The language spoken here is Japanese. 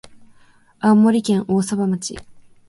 青森県大鰐町